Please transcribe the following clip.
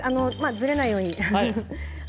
ずれないように。